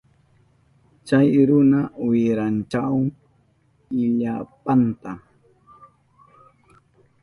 Chay runa wiranchahun illapanta.